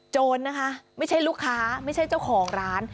โจรนะคะไม่ใช่ลูกค้าไม่ใช่เจ้าของร้าน